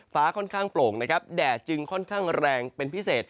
ฟ้าค่อนข้างโปร่งนะครับแดดจึงค่อนข้างแรงเป็นพิเศษ